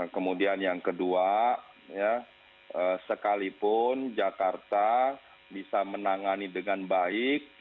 kemudian yang kedua sekalipun jakarta bisa menangani dengan baik